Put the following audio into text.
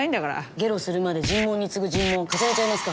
ゲロするまで尋問に次ぐ尋問重ねちゃいますか？